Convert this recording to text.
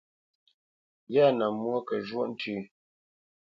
Yâ nə mwô kə zhwóʼ ntʉ́.